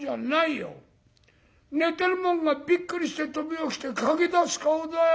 寝てるもんがびっくりして飛び起きて駆け出す顔だよ。